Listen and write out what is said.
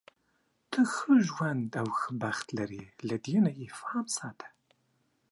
ته ښه ژوند او ښه بخت لری، له دې نه یې پام ساته.